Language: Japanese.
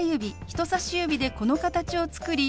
人さし指でこの形を作り